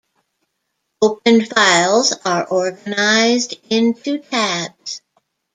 Opened files are organized into tabs.